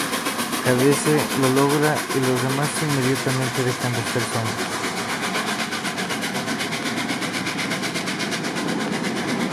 Cadence lo logra y los demás inmediatamente dejan de ser zombis.